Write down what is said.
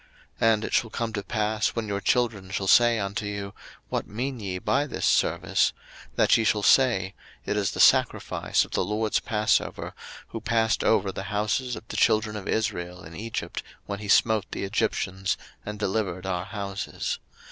02:012:026 And it shall come to pass, when your children shall say unto you, What mean ye by this service? 02:012:027 That ye shall say, It is the sacrifice of the LORD's passover, who passed over the houses of the children of Israel in Egypt, when he smote the Egyptians, and delivered our houses.